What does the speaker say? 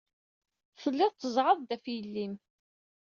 Tellid tzeɛɛḍed ɣef yelli-m.